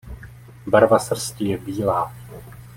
Barva srsti je bílá.